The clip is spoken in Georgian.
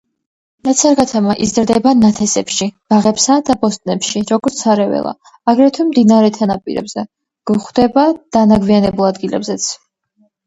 ნაცარქათამა იზრდება ნათესებში, ბაღებსა და ბოსტნებში როგორც სარეველა, აგრეთვე მდინარეთა ნაპირებზე, გვხვდება დანაგვიანებულ ადგილებზეც.